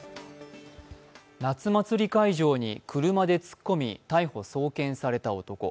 夏祭り会場に車で突っ込み逮捕・送検された男。